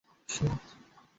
এখন যা বলছি করো!